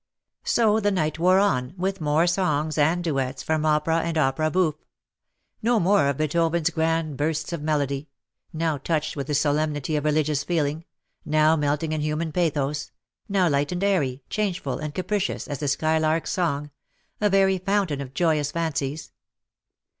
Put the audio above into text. So the night wore on, with more songs and duets from opera and opera bouffe. No more of Beethoven's grand bursts of melody — now touched with the solemnity of religious feeling — now melting in human pathos — now light and airy, changeful and capricious as the skylark's song — a very fountain of joyous fancies.